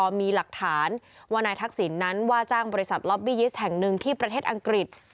มีหลักฐานว่านายทักษิณนั้นว่าจ้างบริษัทล็อบบี้ยิสต์แห่งหนึ่งที่ประเทศอังกฤษ